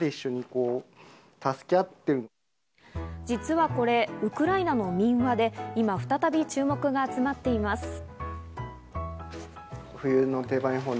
実はこれウクライナの民話で今、再び注目が集まっています。